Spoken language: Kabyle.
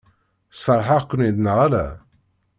Sfeṛḥeɣ-ken-id neɣ ala?